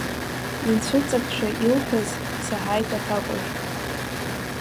Инцәыҵакшәа илҳәаз саҳаит аҭакәажә.